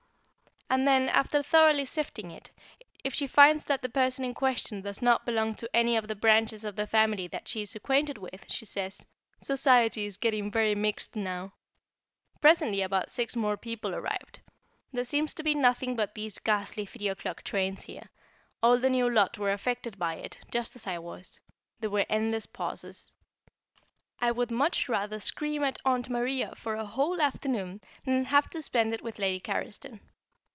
And then, after thoroughly sifting it, if she finds that the person in question does not belong to any of the branches of the family that she is acquainted with, she says "Society is getting very mixed now." Presently about six more people arrived. There seems to be nothing but these ghastly three o'clock trains here. All the new lot were affected by it, just as I was. There were endless pauses. I would much rather scream at Aunt Maria for a whole afternoon than have to spend it with Lady Carriston.